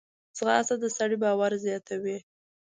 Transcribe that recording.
ځغاسته د سړي باور زیاتوي